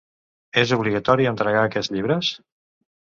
És obligatori entregar aquests llibres?